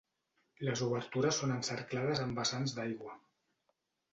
Les obertures són encerclades amb vessants d'aigua.